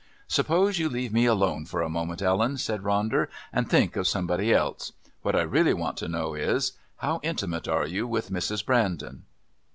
"Suppose you leave me alone for a moment, Ellen," said Ronder, "and think, of somebody else. What I really want to know is, how intimate are you with Mrs. Brandon?"